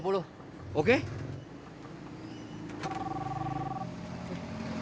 aku mau ke rumah